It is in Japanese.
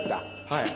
はい。